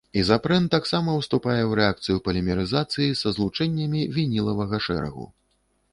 Ізапрэн таксама ўступае ў рэакцыю полімерызацыі са злучэннямі вінілавага шэрагу.